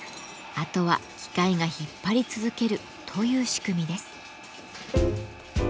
あとは機械が引っ張り続けるという仕組みです。